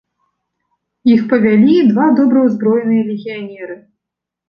Іх павялі два добра ўзброеныя легіянеры.